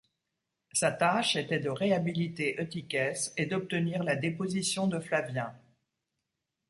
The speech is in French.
Sa tâche était de réhabiliter Eutychès et d’obtenir la déposition de Flavien.